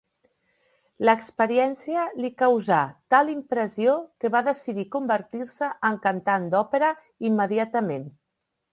L'experiència li causà tal impressió que va decidir convertir-se en cantant d'òpera immediatament.